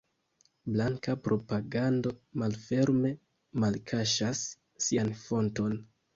Blanka propagando malferme malkaŝas sian fonton.